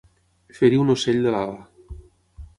Ferir un ocell de l'ala.